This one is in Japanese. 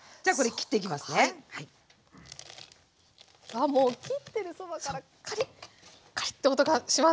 あもう切ってるそばからカリッカリッて音がします。